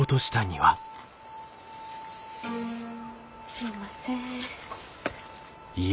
すみません。